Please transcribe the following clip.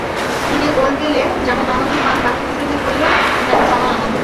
নিজে গোল পেলে যেমন আনন্দ পান, বাকি দুজনের গোলেও যেন সমান আনন্দ।